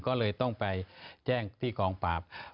ก็เลยต้องไปแจ้งที่กองปราบ